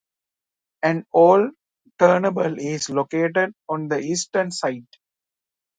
An old turntable is located on the eastern side.